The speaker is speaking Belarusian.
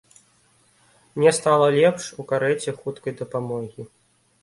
Мне стала лепш у карэце хуткай дапамогі.